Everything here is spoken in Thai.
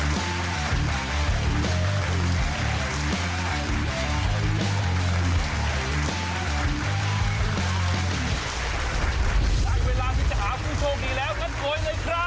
ยังนะยังยังยังสูงมากอัลยังผู้โชคดีสุดใครจีบไว้เจ้า